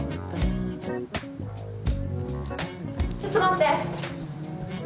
ちょっと待って！